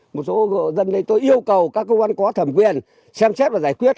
một số dân đây tôi yêu cầu các công an có thẩm quyền xem xét và giải quyết